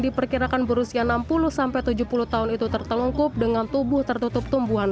diperkirakan berusia enam puluh tujuh puluh tahun itu tertelungkup dengan tubuh tertutup tumbuhan